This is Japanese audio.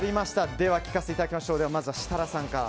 では聞かせていただきましょう設楽さんから。